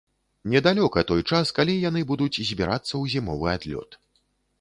Недалёка той час, калі яны будуць збірацца ў зімовы адлёт.